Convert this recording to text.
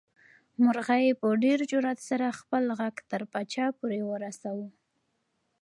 مرغۍ په ډېر جرئت سره خپل غږ تر پاچا پورې ورساوه.